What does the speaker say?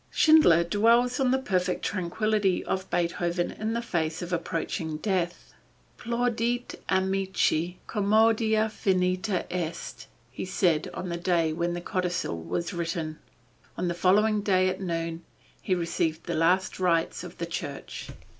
Schindler dwells on the perfect tranquillity of Beethoven in the face of approaching death. "Plaudite amici, comoedia finita est," he said on the day when the codicil was written. On the following day at noon, he received the last rites of the church.